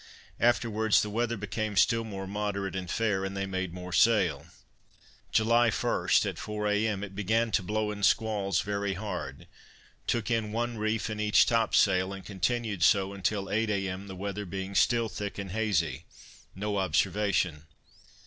Afterwards the weather became still more moderate and fair, and they made more sail. July 1, at four A. M. it began to blow in squalls very hard, took in one reef in each top sail, and continued so until eight A. M. the weather being still thick and hazy. No observation.